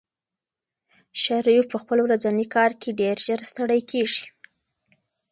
شریف په خپل ورځني کار کې ډېر ژر ستړی کېږي.